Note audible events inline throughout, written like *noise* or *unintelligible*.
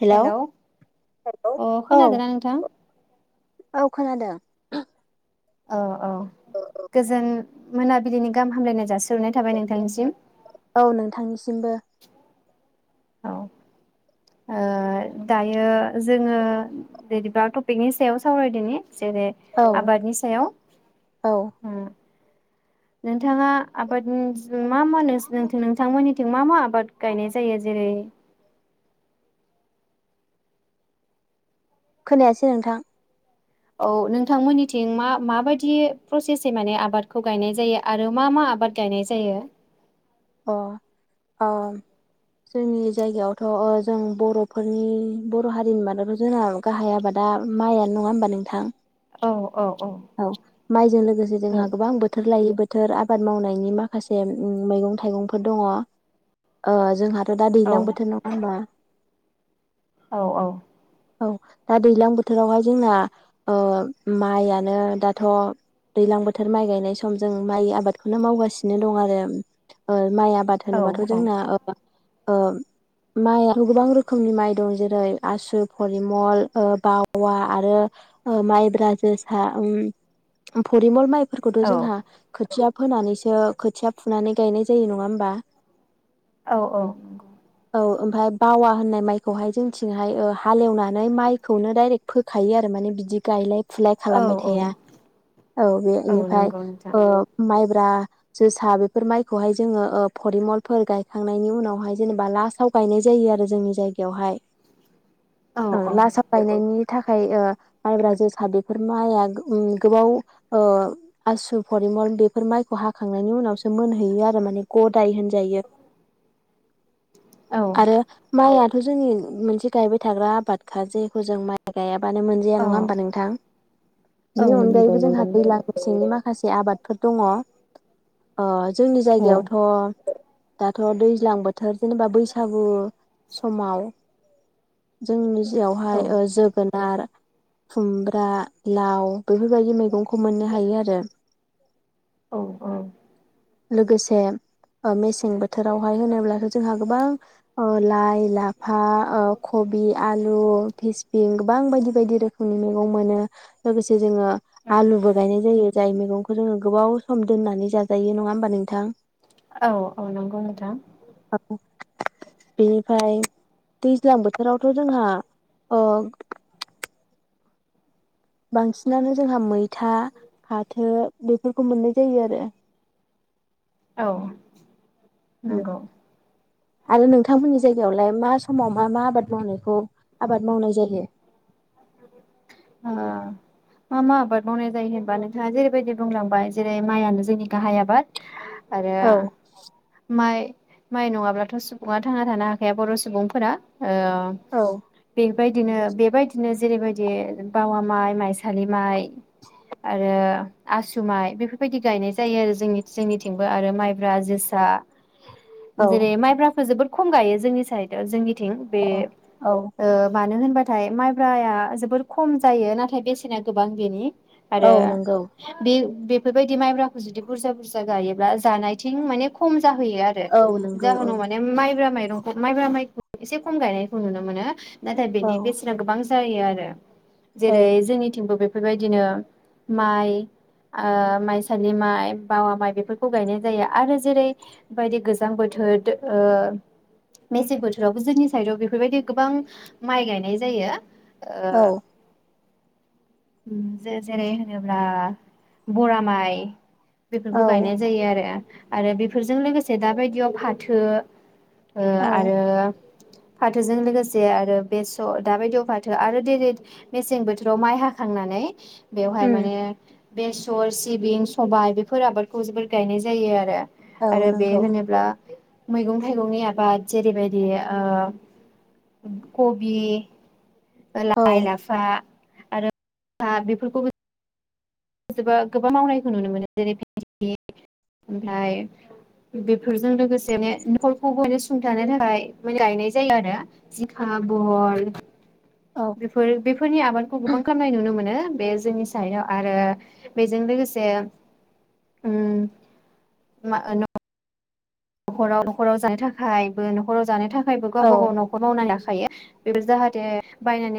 Hello अ औ खोनादोंना नोंथां? औ खोनादों। अ। औ गोजोन मोनाबिलिनि गाहाम हामलायनाय जासि *unintelligible* थाबाय नोंथांनिसिम। सिमबो औ ओ दायो जोङो बिदिबा टपिकनि सायाव सावरायदोनि। जेरै औ आबादनि सायाव औ नोंथाङा आबादनि मा मा *unintelligible* नोंथांमोननि मा मा आबाद गायनाय जायो जेरै खोनायासै नोंथां। औ नोंथांमोननिथिं मा माबायदि प्रसेसै माने आबादखौ गायनाय जायो आरो मा मा आबाद गायनाय जायो। अ अ जोंनि जायगायावथ' अ जों बर'फोरनि बर' हारिनि मादावथ' जोंना गाहाय आबादा माइआानो नङा होमबा नोंथां। औ औ औ माइजों लोगोसे जोंहा गोबां बोथोर लायो बोध बोथोर आबाद मावनायनि माखासे मैगं थाइगं फोर दङ ओ जोंहा दा औ दैलां बोथोर नङा होमबा औ औ औ दा दैज्लां बोथोरावहाय जोंना ओ माइयनो दाथ' दैज्लां बोथोर माइ गायनाय सम जों माइ आबादखौनो मावगासिनो दं आरो ओ माइ आबाद औ होनोबाथ' जोंना औ ओ ओ माइ गोबां रोखोमनि माइ दं जेरै आसु फरिमल ओ बावा आरो ओ माइब्रा जोसा उम फरिमल माइ फोरखौथ' औ जोंहा खोथिया फोनानैसो खोथिया फुनानै गायनाय जायो नङा होमबा औ औ औ ओमफ्राय बावा होननाय माइखौहाय जोंथिंहाय ओ हालेवनानै माइखौनो डाइरेक्ट फोखायो आरो माने बिदि गायलाय फुलाय औ खालामबाय औ थाया औ बेनिफ्राय नंगौ नोंथां ओ माइ बा जोसा बे बेफोर माइखौहाय जोङो ओ फरिमलफोर गायखांनायनि उनावहाय जेनेबा लास्टाव गायनाय जायो आरो जोंनि जायगायावहाय औ ओ लास्त गायनायनि थाखाय ओ माइब्रा जोसा बेफोर माइआ उम गोबाव ओ आसु फरिमल बेफोर माइखौ हाखांनायनि उनावसो मोनहैयो आरो माने गदाय होनजायो औ आरो माइआ जोंनि मोनसे गायबाय थाग्रा आबादखा जेखौ जों माइ गाया मानो मोनजाया औ नंङा होमबा नोंथां औ बिनि नंगौ अनगायैबो नंगौ जोंहा नोंथां दैज्लां मेसेंनि माखा माखासे आबादफोर दङ अ जोंनि औ जायगायावथ' दाथ' दैज्लां बोथोर जेनेबा बैसागु समाव जोंनि औ बियावहाय ओ जोगोनार खुमब्रा लाव बेफोर बायदि मैगंखौ मोननो हायो आरो। औ औ लोगोसे ओ मेसें बोथोरावहाय होनोब्लाथ' जोंहा गोबां ओ लाइ लाफ बा ओ कबि आलु फिसबिं गोबां बायदि बायदि रोखोमनि मैगं मोनो लोगोसे जोङो आलुबो गायनाय जायो। जाय मैगंखौ जोङो गोबाव सम दोननानै जा जायो नङा होमबा नोंथां। औ औ नंगौ नोंथां बेनिफ्राय दैज्लां बोथोरावथ' जोंहा अ बांसिनानो जोंहा मै था फाथो बे मोननाय जायो आरो औ उम नंगौ आरो नोंथांमोननि जायगायावलाय मा समाव मा मा आबाद मावनायखौ आबाद मावनाय जायो? मा मा आबाद मावनाय जायो होनबा नोंथाङा जेरैबायदि बुंलांबाय जेरै माइआनो जोंनि गाहाय आबाद आरो औ माइ माइ नङाब्लाथ' सुबुङा थांना थानो हाखाया बर' सुबुंफोरा। ओ औ बे बेबायदिनो बेबायदि बिदिनो जेरैबायदि बावा माइ माइसालि माइ आरो आसु माइ बेफोरबायदि गायनाय जायो आरो जोंनि जोंनिथिंबो आरो माइब्रा जोसा औ जेरै माइब्राखो जोबोद खम गायो जोंनि साइदआव जोंनि थिं बे औ ओ होनबाथाय माइ ब्राया जोबोर खम जायो नाथाय बेसेना गोबां बेनि। औ आरो नंगौ बे बेफोरबायदि माइब्राखौ जुदि बुरजा बुरजा गायोब्ला जानायथिं माने खम जाहैयो आरो औ नंगौ औ जाहोनाव माने माइब्रा माइ दं माइब्रा माइखौ एसे खम गायनायखौ नुनो मोनो। नाथाय औ बेनि बेसेना गोबां जायो आरो। औ जेरै जोंनिथिंबो बे फोरबायदिनो माइ ओ माइसालि माइ बावा माइ बेफोरखौ गायनाय जायो आरो जेरै बायदि गोजां बोथोर ओ मेसें बोथोरावबो जोंनि साइडाव बेफोरबायदि गोबां माइ गायनाय जायो। ओ औ जों जेरै होनोब्ला बरा माइ औ बेफोरखौ गायनाय जायो आरो। आरो बेफोरजों लोगोसे दाबायदियाव फाथो ओ औ आरो फाथोजों लोगोसे आरो बेसर दाबायदियाव फा थो आरो दिनो मेसें बोथोराव माइ हाखांनानै बेवहाय उम माने बेसर सिबिं सबाय बेफोर आबादखौ जोबोर गायनाय जायो आरो। औ आरो बे नंगौ होनोब्ला मैगं थाइगंनि आबाद जेरैबायदि ओ कबि ओ औ लाइ लाफा आरो *inaudible* बेफोरखौबो जोबो गोबां मावनायखौ नुनो मोनो जेरैबायदि ओमफाय बेफोरजों लोगोसेनो ने नखरखौबो माने सुंथानो थाखाय माने गायनाय जायो आरो जिंखा बहल औ बेफोर बेफोरनि आबादखौ गोबां खामनाय नुनो मोनो। बे जोंनि सायाव आरो बेजों लोगोसे ओम मा ओ न' खराव न'खराव जानो थाखायबो न'खराव जानो था खायबो औ गावबा गाव न'खौ मावनाया थायो बेयो जाहाथे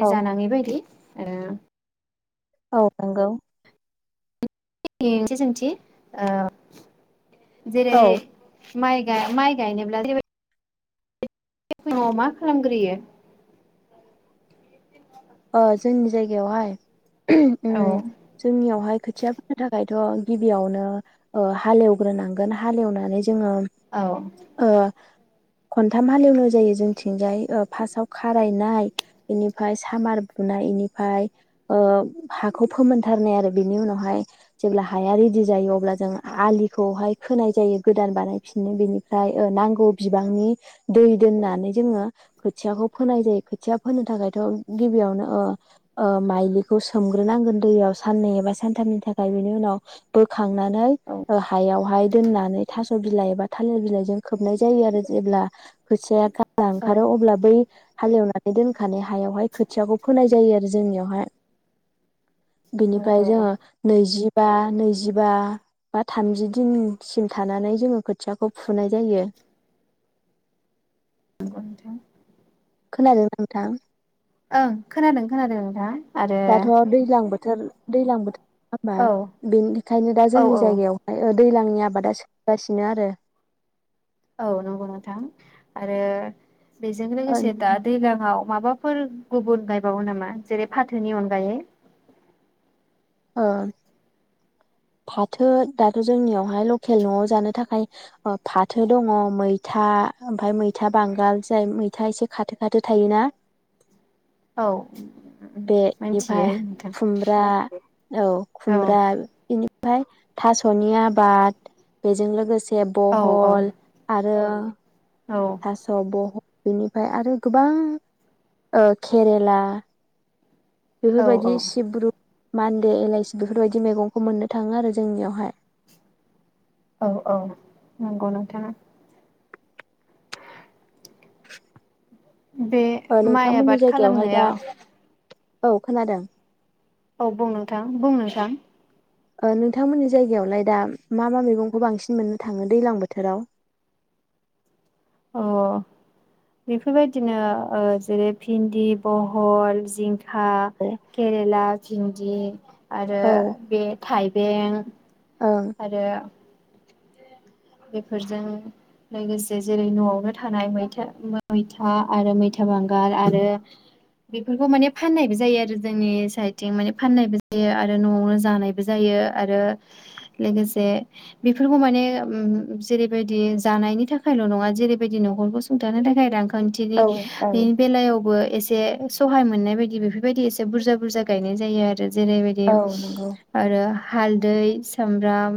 औ जानाङै बायदि। ओ औ नोंगौ। *unintelligible* मोनसे सोंथि ओ जेरै औ माइ गा माइ गायनोब्ला *unintelligible* फुङाव मा खालामग्रोयो? अ जोंनि जायगायावहाय औ ओम जोंनियावहाय खोथिया फोनो थाखाय थ गिबियावनो ओ हालेवग्रोनांगोन हालेवनानै जोङो औ ओ खनथाम हालेवनाय जायो जोंथिंजाय ओ फासाव खारायनाय बेनिफाय सामार बुनाय इनिफाय ओ हाखौ फोमोनथारनाय आरो बेनि उनावहाय जेब्ला हाया रेडि जायो अब्ला जों आलिखौहाय खोनाय जायो गोदान बानायफिननो बेनिफाय ओ नांगौ बिबांनि दै दोननानै जोङो खोथियाखौ फोनाय जायो खोथिया फोनो थाखायथ' गिबियावनो ओ ओ माइलिखौ सोमग्रोनांगोन दैयाव साननै एबा सानथामनि थाखाय बेनि उनाव बोखा खांनानै औ ओ हायावहाय दोननानै थास' बिलाइ एबा थालिर बिलाइओ खोबनाय जायो आरो जेब्ला खोथिया *unintelligible* औ ओंखारो अब्ला बै हालेवनानै दोनखानाय हायावहाय खोथियाखौ फोनाय जायो आरो जोंनियावहाय। औ औ बिनिफाय औ जोङो नैजि बा नैजिबा बा थामजि दिनसिम थानानै जोङो खोथियाखौ फुनाय जायो। नंगौ नोंथां खोनादोंना नोंथां? ओं खोनादों खोनादों नोंथा आरो। थोर दैैलां बोथोर औ *unintelligible* बेनिखायनो दा औ जोंनि औ जायगायावहाय ओ दैलांनि आबादा सोलिगासिनो आरो। औ नंगौ नोंथां आरो बेजों लोगोसे दा दैज्लांयाव माबा फोर गुबुन गायबावा नामा जेरै फाथोनि अनगायै? अ फाथो दाथ' जोंनियावहाय लकेल न'आव जानो थाखाय ओ फाथो दङ मैथा ओमफ्राय मैथा बांगाल जाय मैथा एसे खाथो खाथो थायोना औ बे मिनथियो बेनिफ्राय नोंथां। खुमब्रा औ औ खुमब्रा ओफ्राय थास'नि आबाद बेजों लोगोसे औ औ बहल आ रो औ थास' बह बेनिफ्राय आरो गोबां ओ केरेला बेफोर औ बायदि औ सिब्रु मान्दे एलाइसि बेफोरबायदि मैगंखौ मोननो थाङो आरो जोंनियावहाय। औ औ नंगौ नोंथां। बे ओ माइ नोंथांमोननि आबाद जायगायावहाय दा खालामनायाव औ खोनादों। औ बुं नोंथां बुं नोंथां। ओ नोंथांमोननि जायगायावलाय दा मा मा मैगंखौ बांसिन मोननो थाङो दैलां बोथोराव? अ बेफोरबायदिनो ओ जेरै भिन्दि बहल जिं खा औ केरेला भिन्दि आरो ओं बे थाइ बेनो औ आरो बेफोरजों लोगोसे जेरै न'आवनो थानाय मैथा मैथा आरो मैथा बांगार आरो बेफोरखौ माने फाननायबो जायो आरो जोंनि साइडथिं माने फाननायबो जायो आरो न'आवनो जानायबो जायो आरो लोगोसे बेफोरबो माने उम जेरैबायदि जानायनि थाखायल' नङा जेरैबायदि न'खरखौ सुंथानो थाखाय रां खान्थिनि ओं बेलायावबो एसे सहाय मोननाय बायदि बेफोरबायदि एसे बुरजा बुरजा गायनाय जायो आरो जेरैबायदि औ नंगौ आरो हालदै सामब्राम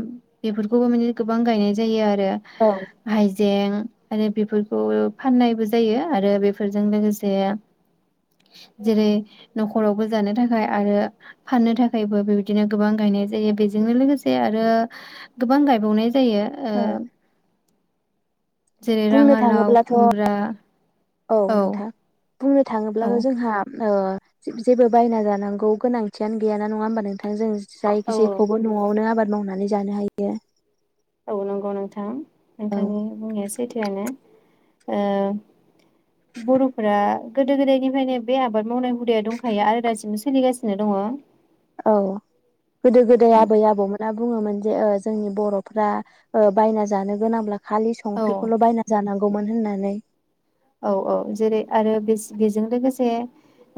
बेफोरखौबो माने गो बां गायनाय जायो आ रो औ हाय जें आरो बेफोरखौ फाननायबो जायो आरो बेफोरजों लोगोसे जेरै न'खरावबो जानो थाखाय आरो फाननो थाखायबो बेबायदिनो गोबां गायनाय जायो बेजोंनो लोगोसे आरो गोबां गायबावनाय जा जायो ओ जेरै बुंनो राङालाव थाङोब्लाथ' खुमब्रा औ नोंथां। बुंनो औ थाङोब्लाबो जोंहा औ जेबो बायना जानांगौ गोनांथियानो गैयाना नङा होमबा नोंथ थां जों जायि औ जेखौबो न'आवनो आबाद मावनानै जानो हायो। औ नंगौ नोंथां। औ नोंथांनि बुंनाया सैथोआनो। ओ बर'फोरा गोदो गोदायनिफ्रायनो बे आबाद मावनाय हुदाया दंखायो आरो दासिमबो सोलिगासिनो दङ। औ गोदो गोदाय आबै आबौमोना बुङोमोन। ओ जोंनि बर'फ्रा ओ बायना जानो गोनां खालि औ संख्रिखौल' बायना जानांगौमोन होननानै। औ औ जेरै आरो बेजों लोगोसे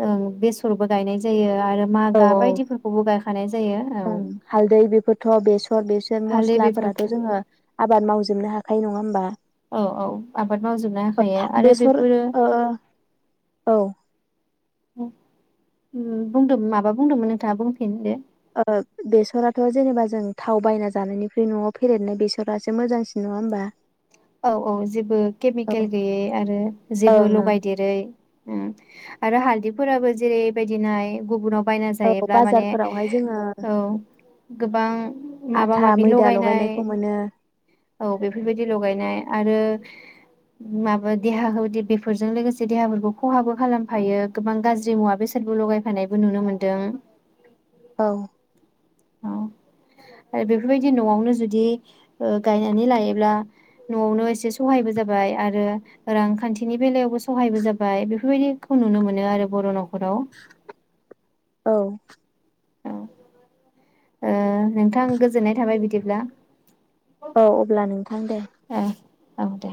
ओं बेसरबो गायनाय जायो। आरो औ मागा औ बायदिफोरखौबो गायखानाय जायो औ ओं हालदै बेफोरथ' बेसर बेसर हालदै मस्लाफोराथ' बेफोरखौ जोङो आबाद मावजोबनो हा खाइ नङा होमबा? औ औ आबाद मावजोबनो हाखायो आरो बेसर बेफोरो ओ औ बुं उम बुंदोंमोन माबा बुंदोंमोन नोंथाङा बुंफिनदो? ओ बेसराथ' जेनेबा जों थाव बायना जानायनिख्रुय न'आव फेरेननाय बेसरासो मोजांसिन नङा होमबा? औ औ जेबो औ केमिकेल गैयै आरो जेबो ओं ओं लगायदेरै उम आरो हालदैफोराबो जेरैबायदि नाय गुबुनाव बायना औ जायोब्ला माने बाजारफोरावहाय जोङो औ गोबां माबा आथा माबि मैदा लगायनाय लगायनायखौ मोनो औ बेफोरबायदि लगाय ए आरो माबा देहा बेफोरजों लोगोसे देहाफोरखौ खहाबो खालामफायो गोबां गाज्रि मुवा बेसादबो लगायफानायबो नुनो मोनदों। औ औ आरो बेफोरबायदि न'आवनो जुदि ओ गायनानै लायोब्ला न'आवनो एसे सहायबो जाबाय आरो रांखान्थिनि बेलायावबो सहायबो जाबाय बेफोरबायदिखौ नुनो मोनो आरो बर' न'खराव। औ औ ओ नोंथां गोजोननाय थाबाय बिदिब्ला औ अब्ला नोंथां दे। ओ औ दे